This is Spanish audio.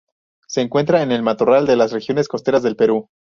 Se encuentra en el matorral de las regiones costeras del Perú.